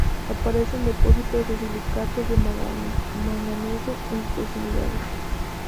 Aparece en depósitos de silicatos de manganeso, en sus proximidades.